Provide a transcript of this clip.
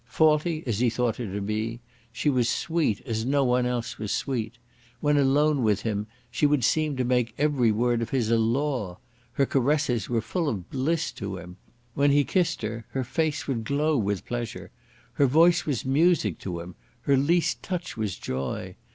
Faulty as he thought her to be, she was sweet as no one else was sweet. When alone with him she would seem to make every word of his a law. Her caresses were full of bliss to him. When he kissed her her face would glow with pleasure. Her voice was music to him; her least touch was joy.